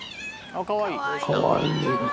かわいい。